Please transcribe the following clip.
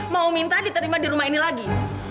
mau minta diterima di rumah ini lagi